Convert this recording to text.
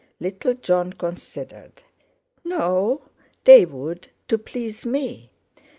Little Jon considered. "No, they would, to please me."